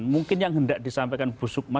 mungkin yang hendak disampaikan bu sukma